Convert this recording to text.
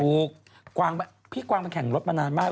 ถูกพี่กวางมันแข่งรถมานานมาก